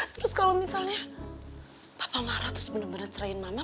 terus kalau misalnya papa marah terus bener bener cerahin mama